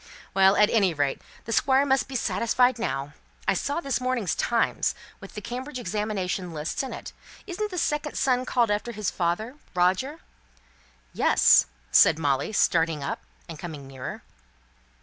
"Well, at any rate, the Squire must be satisfied now. I saw this morning's Times, with the Cambridge examination lists in it. Isn't the second son called after his father, Roger?" "Yes," said Molly, starting up, and coming nearer.